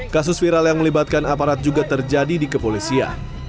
kasus viral yang melibatkan aparat juga terjadi di kepolisian